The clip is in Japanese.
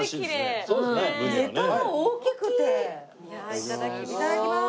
いただきます。